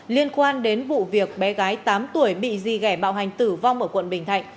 liên quan đến vụ việc bé gái tám tuổi bị di gẻ bạo hành tử vong ở quận bình thạnh